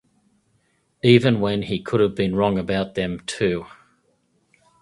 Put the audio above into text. Even when he could have been wrong about them too.